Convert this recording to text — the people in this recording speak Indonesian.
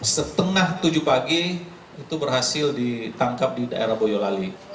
setengah tujuh pagi itu berhasil ditangkap di daerah boyolali